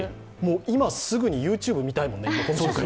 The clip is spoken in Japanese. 今すぐにＹｏｕＴｕｂｅ見たいもんね。